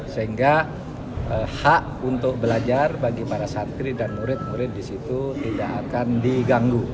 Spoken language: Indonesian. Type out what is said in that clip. sehingga hak untuk belajar bagi para santri dan murid murid di situ tidak akan diganggu